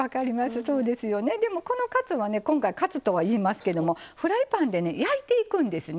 でも、このカツは今回カツとは言いますけどフライパンで焼いていくんですね。